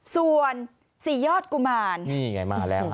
ส่วนสี่ยอดกุมารนี่ไงมาแล้ว